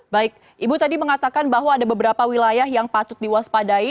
baik ibu tadi mengatakan bahwa ada beberapa wilayah yang patut diwaspadai